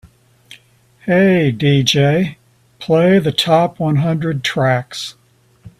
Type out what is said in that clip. "Hey DJ, play the top one hundred tracks"